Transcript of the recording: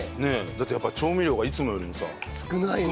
だってやっぱり調味料がいつもよりもさ少ない。